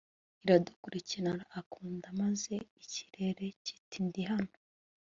Iradukurikira aradukunda maze ikirere kiti Ndi hano